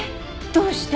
どうして？